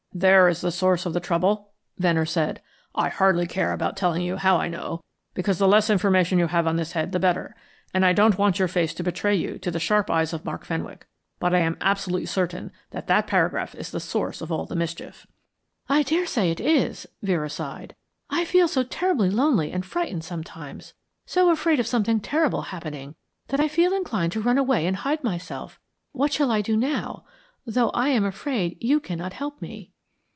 "There is the source of the trouble," Venner said. "I hardly care about telling you how I know, because the less information you have on this head the better. And I don't want your face to betray you to the sharp eyes of Mark Fenwick. But I am absolutely certain that that paragraph is the source of all the mischief." "I daresay it is," Vera sighed. "I feel so terribly lonely and frightened sometimes, so afraid of something terrible happening, that I feel inclined to run away and hide myself. What shall I do now, though I am afraid you cannot help me?"